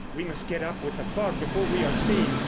we must get up with the fog before we are seen.